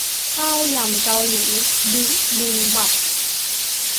ข้าวยำเกาหลี บิบิมบับ